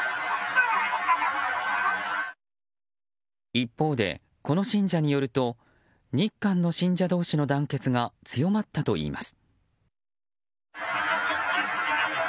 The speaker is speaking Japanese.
一方で、この信者によると日韓の信者同士の団結が強まったといいます。